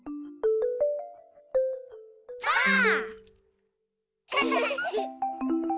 ばあっ！